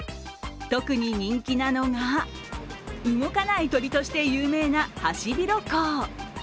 特に人気なのが動かない鳥として有名なハシビロコウ。